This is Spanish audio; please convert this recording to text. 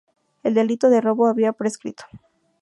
El delito de robo había prescrito.